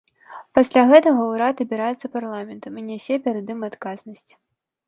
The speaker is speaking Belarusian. Пасля гэтага ўрад абіраецца парламентам і нясе перад ім адказнасць.